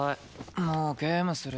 もうゲームする。